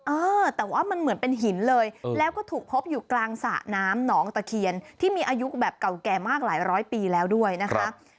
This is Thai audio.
เออแต่ว่ามันเหมือนเป็นหินเลยแล้วก็ถูกพบอยู่กลางสระน้ำหนองตะเคียนที่มีอายุแบบเก่าแก่มากหลายร้อยปีแล้วด้วยนะคะ